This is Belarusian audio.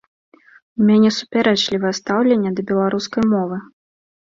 У мяне супярэчлівае стаўленне да беларускай мовы.